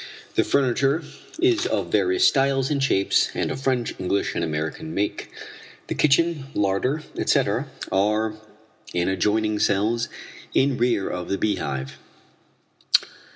The furniture is of various styles and shapes and of French, English and American make. The kitchen, larder, etc., are in adjoining cells in rear of the Beehive.